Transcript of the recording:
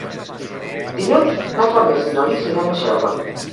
Dilluns na Farners i na Lis iran a Xelva.